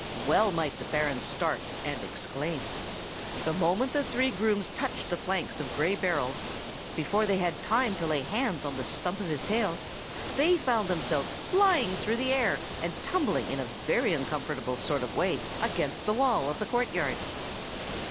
Well might the Baron start, and exclaim. The moment the three grooms touched the flanks of Gray Berold, before they had time to lay hands on the stump of his tail, they found themselves flying through the air, and tumbling in a very uncomfortable sort of way against the wall of the courtyard.